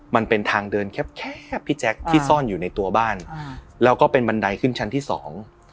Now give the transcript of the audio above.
มันเป็นทางเดินแคบแคบพี่แจ๊คที่ซ่อนอยู่ในตัวบ้านอ่าแล้วก็เป็นบันไดขึ้นชั้นที่สอง